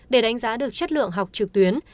để đánh giá được chất lượng học trực tuyến